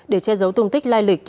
để che giấu tung tích lai lịch